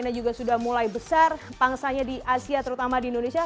dan juga ada yang mulai besar pangsanya di asia terutama di indonesia